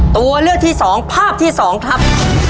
ตัวเลือกที่สองภาพที่สองครับ